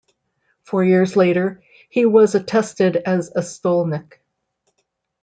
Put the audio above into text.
Four years later, he was attested as a stolnik.